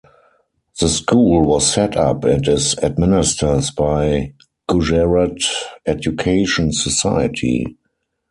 The School was set up and is administered by Gujarat Education Society.